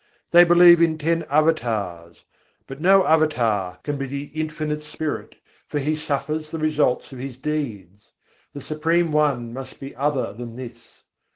They believe in ten Avatars; but no Avatar can be the Infinite Spirit, for he suffers the results of his deeds: The Supreme One must be other than this.